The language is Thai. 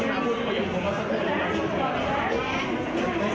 ยังไม่มีฝ่ายกล้องในมือครับแต่ว่าก็บอกว่ายังไม่มีฝ่ายกล้อง